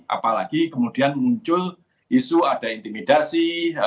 apalagi kemudian muncul isu ada intimidasi